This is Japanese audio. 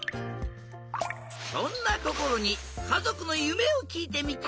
そんなこころにかぞくのゆめをきいてみた！